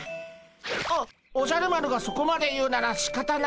おおじゃる丸がそこまで言うならしかたないでゴンス。